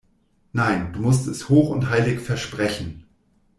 Nein, du musst es hoch und heilig versprechen!